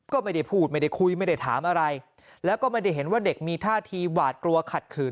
ก็ไม่ได้พูดไม่ได้คุยไม่ได้ถามอะไรแล้วก็ไม่ได้เห็นว่าเด็กมีท่าทีหวาดกลัวขัดขืน